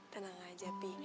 tenang aja pi